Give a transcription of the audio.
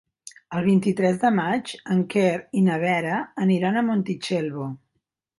El vint-i-tres de maig en Quer i na Vera aniran a Montitxelvo.